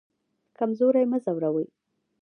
کمزوری مه ځوروئ